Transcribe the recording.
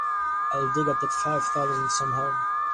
I'll dig up that five thousand somehow.